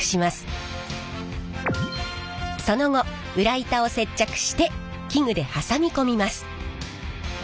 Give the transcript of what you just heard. その後裏板を接着して器具で挟み込みます。